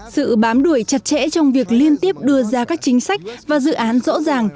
sự bám đuổi chặt chẽ trong việc liên tiếp đưa ra các chính sách và dự án rõ ràng